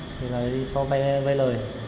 thì là đi cho vai lời